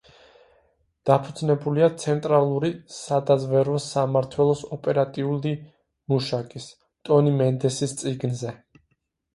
დაფუძნებულია ცენტრალური სადაზვერვო სამმართველოს ოპერატიული მუშაკის, ტონი მენდესის წიგნზე.